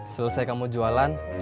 selesai kamu jualan